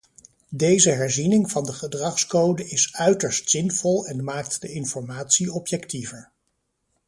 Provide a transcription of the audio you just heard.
Deze herziening van de gedragscode is uiterst zinvol en maakt de informatie objectiever.